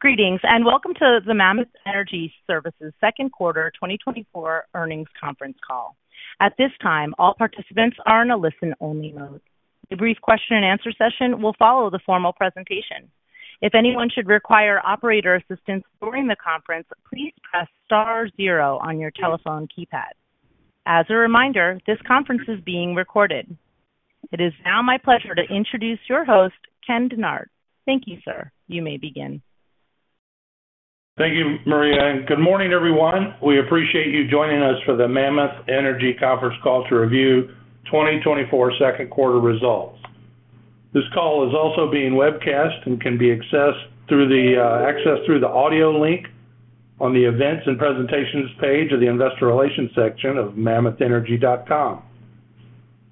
Greetings, and welcome to the Mammoth Energy Services second quarter 2024 earnings conference call. At this time, all participants are in a listen-only mode. A brief question-and-answer session will follow the formal presentation. If anyone should require operator assistance during the conference, please press star zero on your telephone keypad. As a reminder, this conference is being recorded. It is now my pleasure to introduce your host, Ken Dennard. Thank you, sir. You may begin. Thank you, Maria, and good morning, everyone. We appreciate you joining us for the Mammoth Energy conference call to review 2024 second quarter results. This call is also being webcast and can be accessed through the audio link on the Events and Presentations page of the Investor Relations section of mammothenergy.com.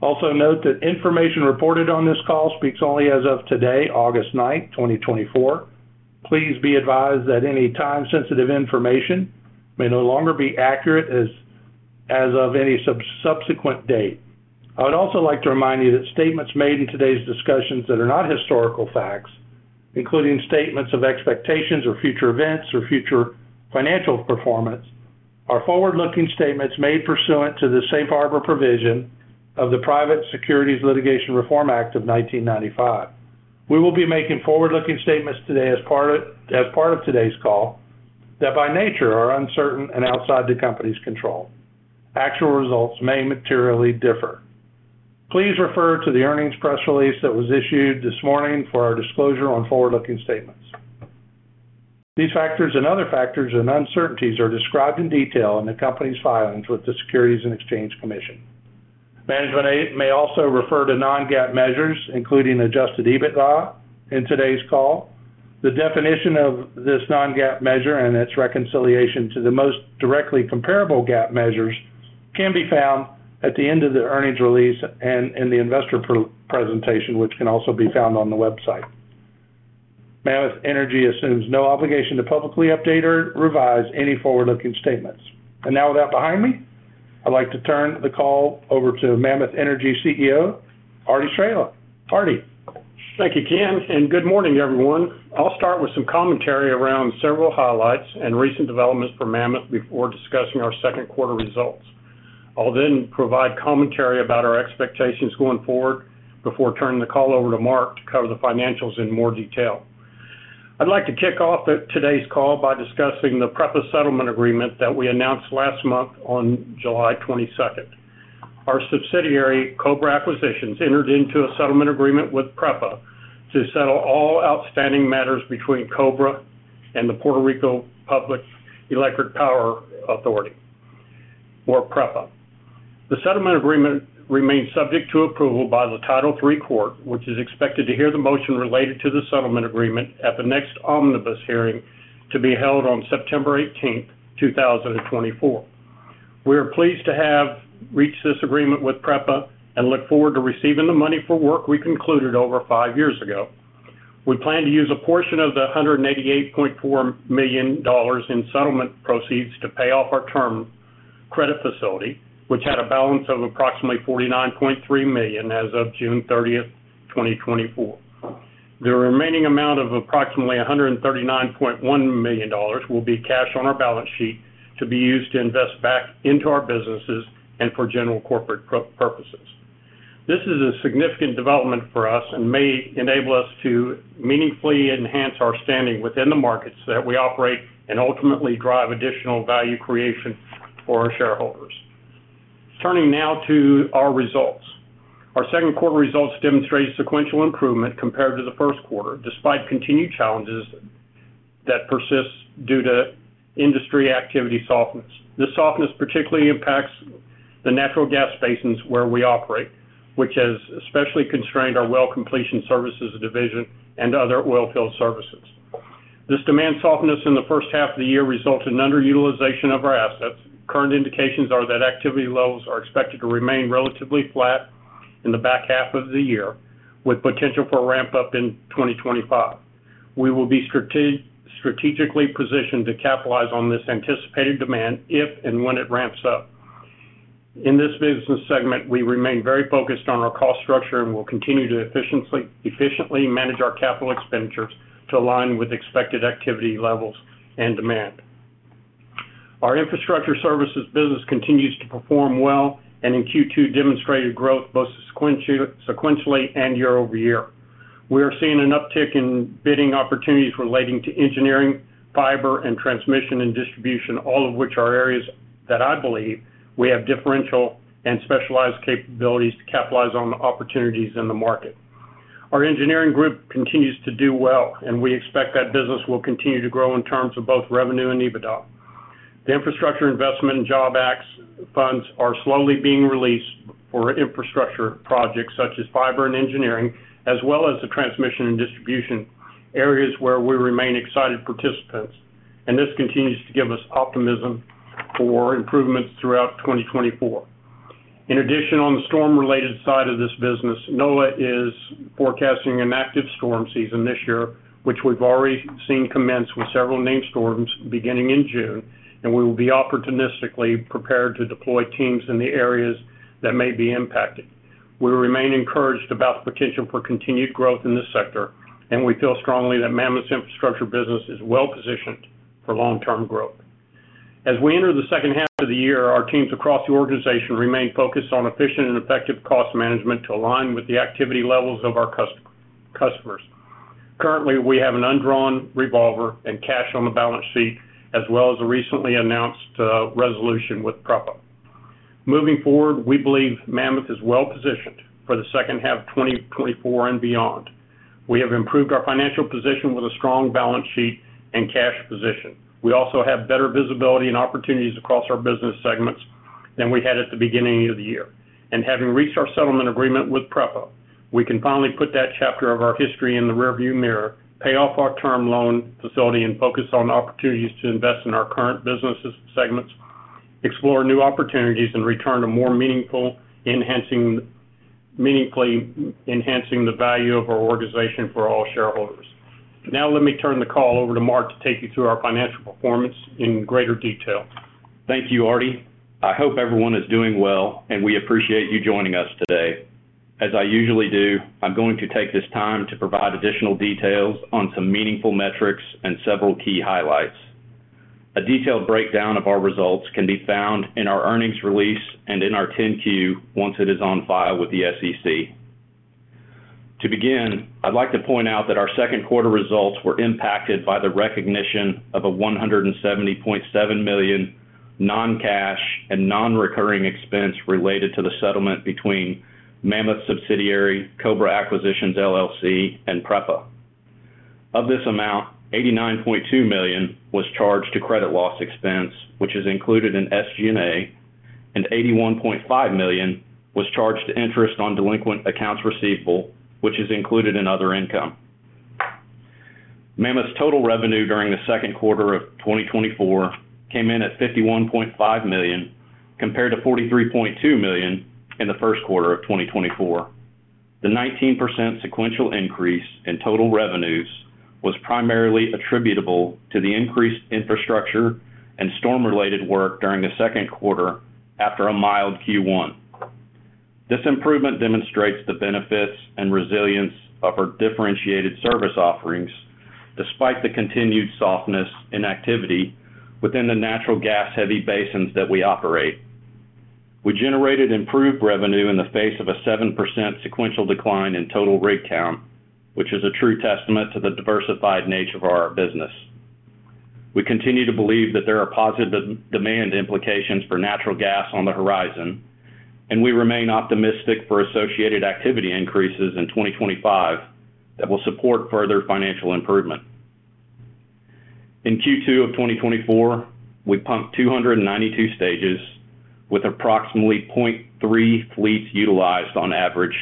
Also note that information reported on this call speaks only as of today, August 9, 2024. Please be advised that any time-sensitive information may no longer be accurate as of any subsequent date. I would also like to remind you that statements made in today's discussions that are not historical facts, including statements of expectations or future events or future financial performance, are forward-looking statements made pursuant to the Safe Harbor provision of the Private Securities Litigation Reform Act of 1995. We will be making forward-looking statements today as part of today's call, that by nature, are uncertain and outside the company's control. Actual results may materially differ. Please refer to the earnings press release that was issued this morning for our disclosure on forward-looking statements. These factors and other factors and uncertainties are described in detail in the company's filings with the Securities and Exchange Commission. Management may also refer to non-GAAP measures, including Adjusted EBITDA, in today's call. The definition of this non-GAAP measure and its reconciliation to the most directly comparable GAAP measures can be found at the end of the earnings release and in the investor presentation, which can also be found on the website. Mammoth Energy assumes no obligation to publicly update or revise any forward-looking statements. Now, with that behind me, I'd like to turn the call over to Mammoth Energy CEO, Arty Straehla. Artie? Thank you, Ken, and good morning, everyone. I'll start with some commentary around several highlights and recent developments for Mammoth before discussing our second quarter results. I'll then provide commentary about our expectations going forward before turning the call over to Mark to cover the financials in more detail. I'd like to kick off today's call by discussing the PREPA settlement agreement that we announced last month on July 22nd. Our subsidiary, Cobra Acquisitions, entered into a settlement agreement with PREPA to settle all outstanding matters between Cobra and the Puerto Rico Electric Power Authority, or PREPA. The settlement agreement remains subject to approval by the Title III court, which is expected to hear the motion related to the settlement agreement at the next omnibus hearing to be held on September 18, 2024. We are pleased to have reached this agreement with PREPA and look forward to receiving the money for work we concluded over five years ago. We plan to use a portion of the $188.4 million in settlement proceeds to pay off our term credit facility, which had a balance of approximately $49.3 million as of June 30, 2024. The remaining amount of approximately $139.1 million will be cash on our balance sheet to be used to invest back into our businesses and for general corporate purposes. This is a significant development for us and may enable us to meaningfully enhance our standing within the markets that we operate and ultimately drive additional value creation for our shareholders. Turning now to our results. Our second quarter results demonstrate sequential improvement compared to the first quarter, despite continued challenges that persist due to industry activity softness. This softness particularly impacts the natural gas basins where we operate, which has especially constrained our Well Completion Services division and other oil field services. This demand softness in the first half of the year resulted in underutilization of our assets. Current indications are that activity levels are expected to remain relatively flat in the back half of the year, with potential for a ramp-up in 2025. We will be strategically positioned to capitalize on this anticipated demand if and when it ramps up. In this business segment, we remain very focused on our cost structure and will continue to efficiently manage our capital expenditures to align with expected activity levels and demand. Our infrastructure services business continues to perform well, and in Q2, demonstrated growth both sequentially and year-over-year. We are seeing an uptick in bidding opportunities relating to engineering, fiber, and transmission and distribution, all of which are areas that I believe we have differential and specialized capabilities to capitalize on the opportunities in the market. Our engineering group continues to do well, and we expect that business will continue to grow in terms of both revenue and EBITDA. The Infrastructure Investment and Jobs Act funds are slowly being released for infrastructure projects such as fiber and engineering, as well as the transmission and distribution areas where we remain excited participants, and this continues to give us optimism for improvements throughout 2024. In addition, on the storm-related side of this business, NOAA is forecasting an active storm season this year, which we've already seen commence with several named storms beginning in June, and we will be opportunistically prepared to deploy teams in the areas that may be impacted. We remain encouraged about the potential for continued growth in this sector, and we feel strongly that Mammoth's infrastructure business is well-positioned for long-term growth. As we enter the second half of the year, our teams across the organization remain focused on efficient and effective cost management to align with the activity levels of our customers. Currently, we have an undrawn revolver and cash on the balance sheet, as well as a recently announced resolution with PREPA. Moving forward, we believe Mammoth is well-positioned for the second half of 2024 and beyond. We have improved our financial position with a strong balance sheet and cash position. We also have better visibility and opportunities across our business segments than we had at the beginning of the year. And having reached our settlement agreement with PREPA, we can finally put that chapter of our history in the rearview mirror, pay off our term loan facility, and focus on opportunities to invest in our current business segments, explore new opportunities, and return to more meaningful, meaningfully enhancing the value of our organization for all shareholders. Now, let me turn the call over to Mark to take you through our financial performance in greater detail. Thank you, Artie. I hope everyone is doing well, and we appreciate you joining us today. As I usually do, I'm going to take this time to provide additional details on some meaningful metrics and several key highlights. A detailed breakdown of our results can be found in our earnings release and in our 10-Q, once it is on file with the SEC. To begin, I'd like to point out that our second quarter results were impacted by the recognition of a $170.7 million non-cash and nonrecurring expense related to the settlement between Mammoth subsidiary, Cobra Acquisitions, LLC, and PREPA. Of this amount, $89.2 million was charged to credit loss expense, which is included in SG&A, and $81.5 million was charged to interest on delinquent accounts receivable, which is included in other income. Mammoth's total revenue during the second quarter of 2024 came in at $51.5 million, compared to $43.2 million in the first quarter of 2024. The 19% sequential increase in total revenues was primarily attributable to the increased infrastructure and storm-related work during the second quarter after a mild Q1. This improvement demonstrates the benefits and resilience of our differentiated service offerings, despite the continued softness in activity within the natural gas-heavy basins that we operate. We generated improved revenue in the face of a 7% sequential decline in total rig count, which is a true testament to the diversified nature of our business. We continue to believe that there are positive demand implications for natural gas on the horizon, and we remain optimistic for associated activity increases in 2025 that will support further financial improvement. In Q2 of 2024, we pumped 292 stages with approximately 0.3 fleets utilized on average,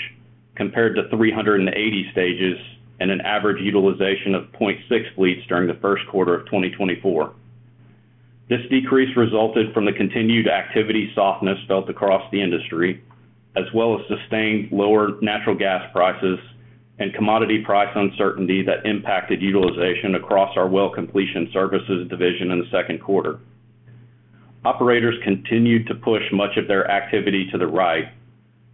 compared to 380 stages and an average utilization of 0.6 fleets during the first quarter of 2024. This decrease resulted from the continued activity softness felt across the industry, as well as sustained lower natural gas prices and commodity price uncertainty that impacted utilization across our well completion services division in the second quarter. Operators continued to push much of their activity to the right,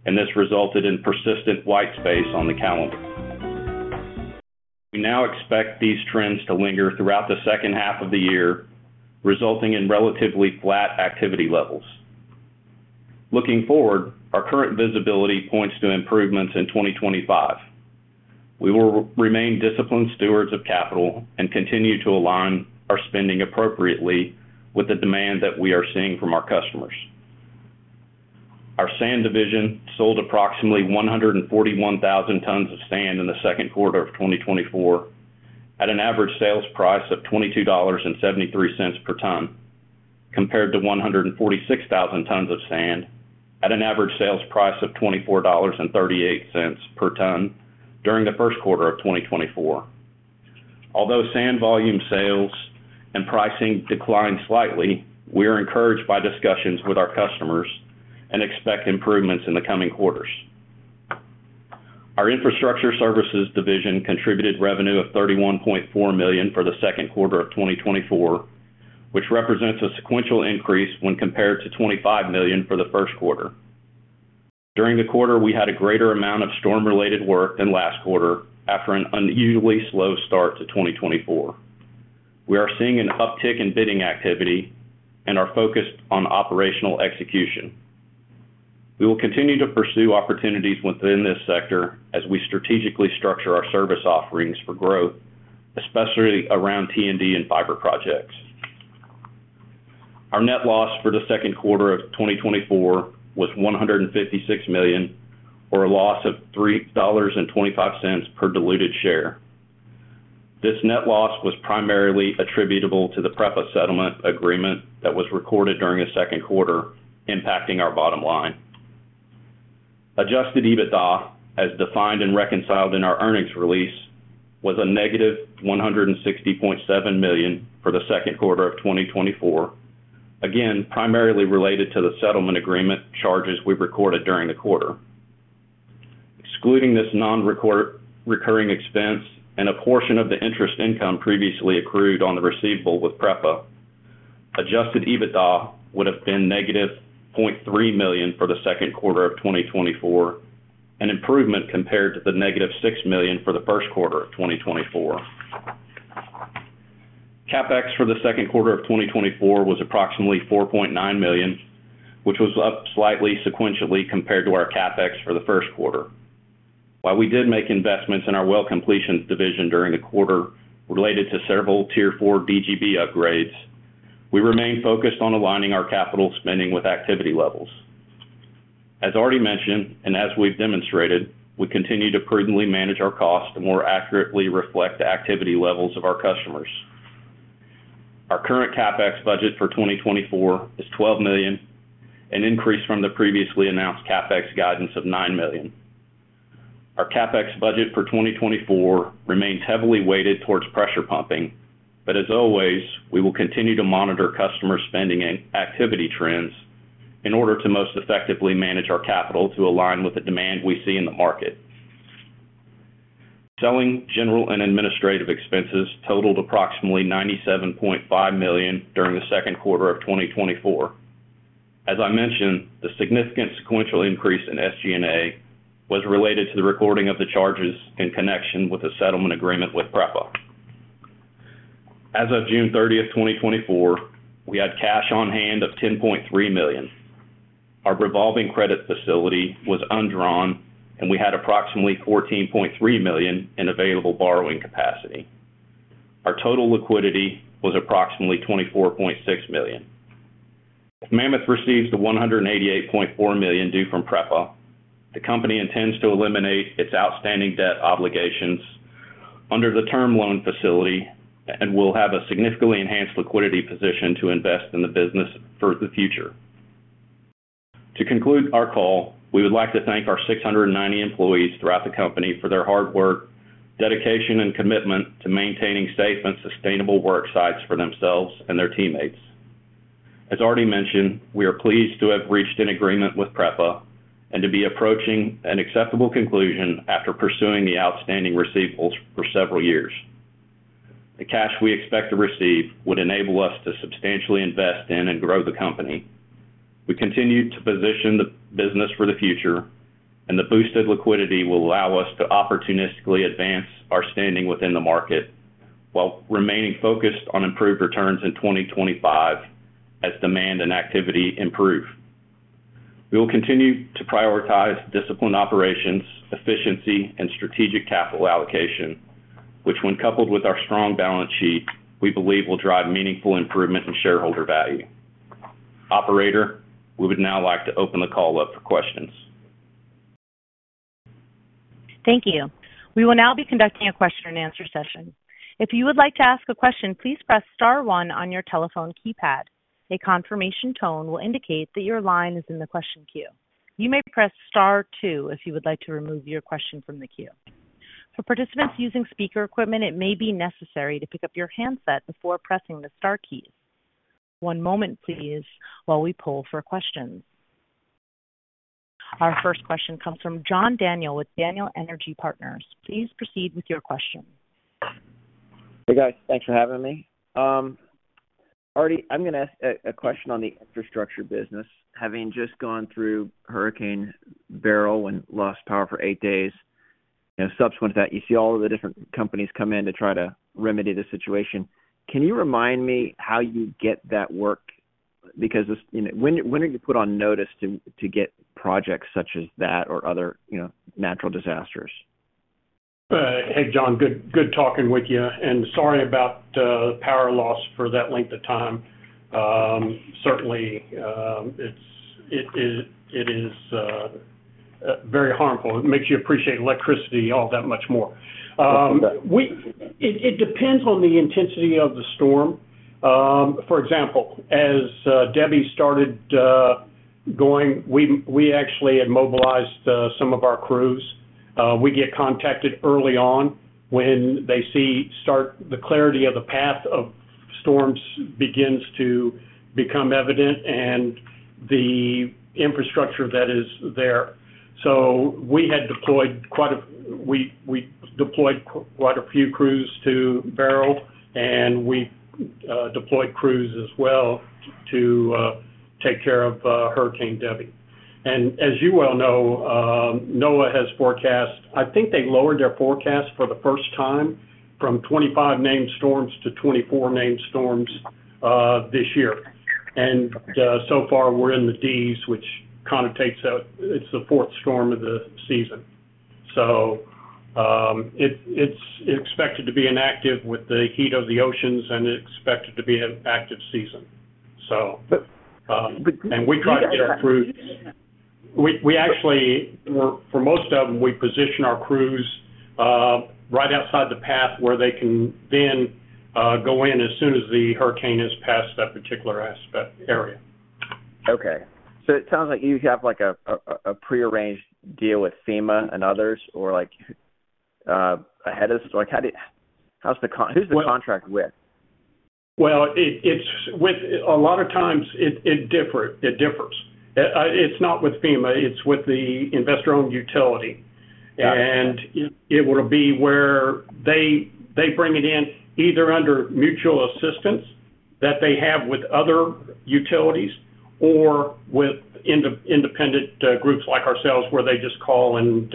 and this resulted in persistent white space on the calendar. We now expect these trends to linger throughout the second half of the year, resulting in relatively flat activity levels. Looking forward, our current visibility points to improvements in 2025. We will remain disciplined stewards of capital and continue to align our spending appropriately with the demand that we are seeing from our customers. Our sand division sold approximately 141,000 tons of sand in the second quarter of 2024, at an average sales price of $22.73 per ton, compared to 146,000 tons of sand at an average sales price of $24.38 per ton during the first quarter of 2024. Although sand volume sales and pricing declined slightly, we are encouraged by discussions with our customers and expect improvements in the coming quarters. Our infrastructure services division contributed revenue of $31.4 million for the second quarter of 2024, which represents a sequential increase when compared to $25 million for the first quarter. During the quarter, we had a greater amount of storm-related work than last quarter after an unusually slow start to 2024. We are seeing an uptick in bidding activity and are focused on operational execution. We will continue to pursue opportunities within this sector as we strategically structure our service offerings for growth, especially around T&D and fiber projects. Our net loss for the second quarter of 2024 was $156 million, or a loss of $3.25 per diluted share. This net loss was primarily attributable to the PREPA settlement agreement that was recorded during the second quarter, impacting our bottom line. Adjusted EBITDA, as defined and reconciled in our earnings release, was a negative $160.7 million for the second quarter of 2024, again, primarily related to the settlement agreement charges we recorded during the quarter. Excluding this non-recurring expense and a portion of the interest income previously accrued on the receivable with PREPA, Adjusted EBITDA would have been negative $0.3 million for the second quarter of 2024, an improvement compared to the negative $6 million for the first quarter of 2024. CapEx for the second quarter of 2024 was approximately $4.9 million, which was up slightly sequentially compared to our CapEx for the first quarter. While we did make investments in our well completion division during the quarter related to several Tier 4 DGB upgrades, we remain focused on aligning our capital spending with activity levels. As already mentioned, and as we've demonstrated, we continue to prudently manage our costs to more accurately reflect the activity levels of our customers. Our current CapEx budget for 2024 is $12 million, an increase from the previously announced CapEx guidance of $9 million. Our CapEx budget for 2024 remains heavily weighted towards pressure pumping, but as always, we will continue to monitor customer spending and activity trends in order to most effectively manage our capital to align with the demand we see in the market. Selling, general, and administrative expenses totaled approximately $97.5 million during the second quarter of 2024. As I mentioned, the significant sequential increase in SG&A was related to the recording of the charges in connection with the settlement agreement with PREPA. As of June 30, 2024, we had cash on hand of $10.3 million. Our revolving credit facility was undrawn, and we had approximately $14.3 million in available borrowing capacity. Our total liquidity was approximately $24.6 million. If Mammoth receives the $188.4 million due from PREPA, the company intends to eliminate its outstanding debt obligations under the Term Loan Facility and will have a significantly enhanced liquidity position to invest in the business for the future. To conclude our call, we would like to thank our 690 employees throughout the company for their hard work, dedication, and commitment to maintaining safe and sustainable work sites for themselves and their teammates. As already mentioned, we are pleased to have reached an agreement with PREPA and to be approaching an acceptable conclusion after pursuing the outstanding receivables for several years. The cash we expect to receive would enable us to substantially invest in and grow the company. We continue to position the business for the future, and the boosted liquidity will allow us to opportunistically advance our standing within the market, while remaining focused on improved returns in 2025 as demand and activity improve. We will continue to prioritize disciplined operations, efficiency, and strategic capital allocation, which, when coupled with our strong balance sheet, we believe will drive meaningful improvement in shareholder value. Operator, we would now like to open the call up for questions. Thank you. We will now be conducting a question-and-answer session. If you would like to ask a question, please press star one on your telephone keypad. A confirmation tone will indicate that your line is in the question queue. You may press star two if you would like to remove your question from the queue. For participants using speaker equipment, it may be necessary to pick up your handset before pressing the star keys. One moment, please, while we pull for questions. Our first question comes from John Daniel with Daniel Energy Partners. Please proceed with your question. Hey, guys. Thanks for having me. Artie, I'm gonna ask a question on the infrastructure business. Having just gone through Hurricane Beryl and lost power for eight days, and subsequent to that, you see all of the different companies come in to try to remedy the situation. Can you remind me how you get that work? Because, you know, when are you put on notice to get projects such as that or other, you know, natural disasters? Hey, John, good talking with you, and sorry about the power loss for that length of time. Certainly, it is very harmful. It makes you appreciate electricity all that much more. Yes, sir. It depends on the intensity of the storm. For example, as Debbie started going, we actually had mobilized some of our crews. We get contacted early on when they see the clarity of the path of storms begins to become evident and the infrastructure that is there. So we had deployed quite a few crews to Beryl, and we deployed crews as well to take care of Hurricane Debbie. And as you well know, NOAA has forecast. I think they lowered their forecast for the first time from 25 named storms to 24 named storms this year. And so far, we're in the Ds, which kind of, it's the fourth storm of the season. So, it's expected to be inactive with the heat of the oceans, and it's expected to be an active season. So, and we try to get our crews. We actually, for most of them, we position our crews right outside the path, where they can then go in as soon as the hurricane has passed that particular aspect area. Okay. So it sounds like you have, like, a prearranged deal with FEMA and others, or, like, ahead of Like, how do-- how's the con- Well- Who's the contract with? Well, it's with... A lot of times it differs. It's not with FEMA, it's with the investor-owned utility. And it will be where they bring it in, either under mutual assistance that they have with other utilities or with independent groups like ourselves, where they just call and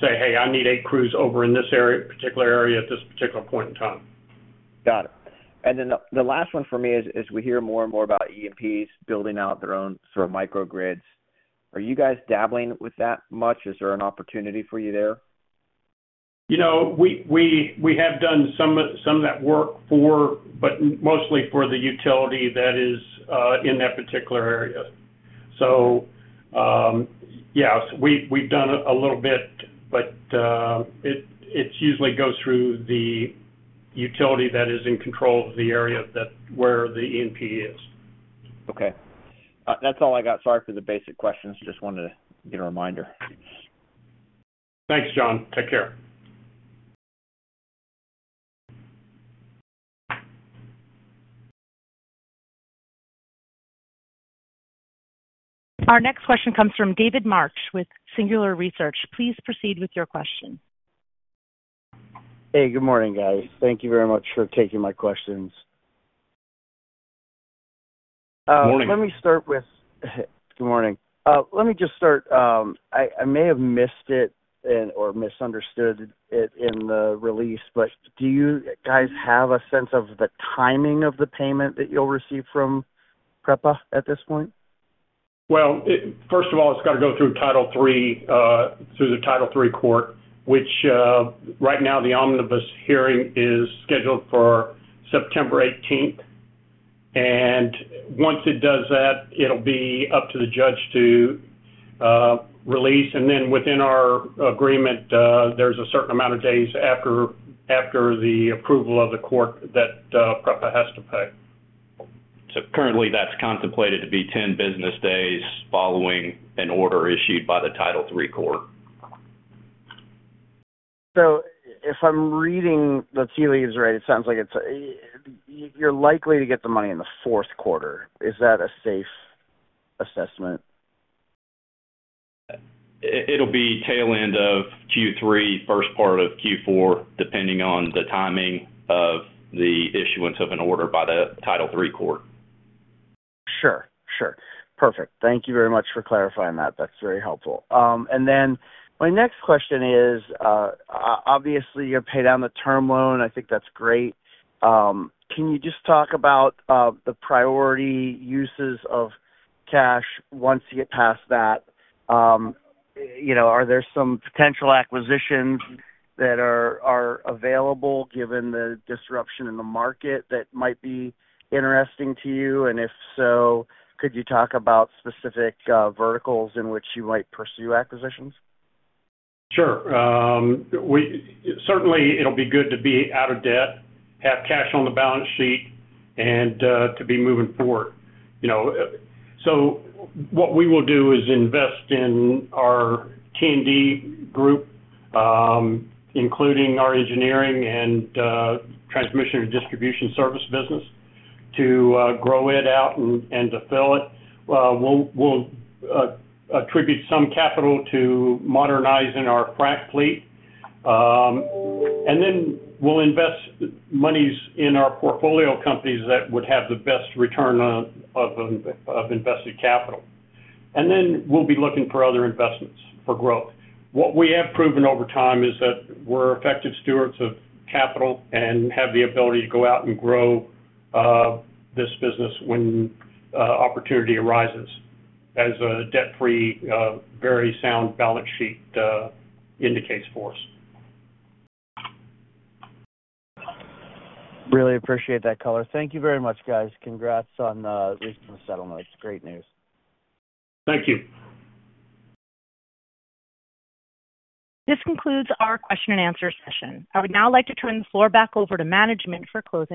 say, "Hey, I need eight crews over in this area, particular area at this particular point in time. Got it. And then the last one for me is, as we hear more and more about E&Ps building out their own sort of microgrids, are you guys dabbling with that much? Is there an opportunity for you there? You know, we have done some of that work for, but mostly for the utility that is in that particular area. So, yes, we've done a little bit, but, it usually goes through the utility that is in control of the area that where the E&P is. Okay. That's all I got. Sorry for the basic questions. Just wanted to get a reminder. Thanks, John. Take care. Our next question comes from David Marsh with Singular Research. Please proceed with your question. Hey, good morning, guys. Thank you very much for taking my questions. Morning. Let me start with... Good morning. Let me just start, I may have missed it and/or misunderstood it in the release, but do you guys have a sense of the timing of the payment that you'll receive from PREPA at this point? Well, first of all, it's got to go through Title III, through the Title III court, which, right now, the omnibus hearing is scheduled for September 18. And once it does that, it'll be up to the judge to release. And then within our agreement, there's a certain amount of days after, after the approval of the court that PREPA has to pay. Currently, that's contemplated to be 10 business days following an order issued by the Title III court. So if I'm reading the tea leaves right, it sounds like it's, you're likely to get the money in the fourth quarter. Is that a safe assessment? It'll be tail end of Q3, first part of Q4, depending on the timing of the issuance of an order by the Title III court. Sure, sure. Perfect. Thank you very much for clarifying that. That's very helpful. And then my next question is, obviously, you'll pay down the term loan. I think that's great. Can you just talk about the priority uses of cash once you get past that? You know, are there some potential acquisitions that are available, given the disruption in the market that might be interesting to you? And if so, could you talk about specific verticals in which you might pursue acquisitions? Sure. Certainly, it'll be good to be out of debt, have cash on the balance sheet, and to be moving forward. You know, so what we will do is invest in our T&D group, including our engineering and transmission and distribution service business, to grow it out and to fill it. We'll attribute some capital to modernizing our frack fleet. And then we'll invest monies in our portfolio companies that would have the best return on invested capital. And then we'll be looking for other investments for growth. What we have proven over time is that we're effective stewards of capital and have the ability to go out and grow this business when opportunity arises, as a debt-free very sound balance sheet indicates for us. Really appreciate that color. Thank you very much, guys. Congrats on reaching the settlement. It's great news. Thank you. This concludes our question and answer session. I would now like to turn the floor back over to management for closing remarks.